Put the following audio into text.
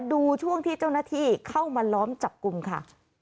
ดูช่วงที่เจ้าหน้าที่เข้ามาล้อมจับกลุ่มค่ะ